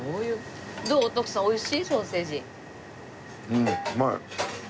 うんうまい。